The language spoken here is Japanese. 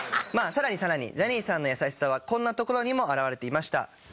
さらにさらにジャニーさんの優しさはこんなところにも表れていました。